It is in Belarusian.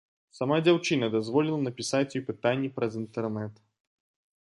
Сама дзяўчына дазволіла напісаць ёй пытанні праз інтэрнэт.